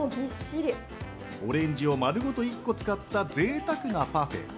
オレンジを丸ごと１個使った贅沢なパフェ。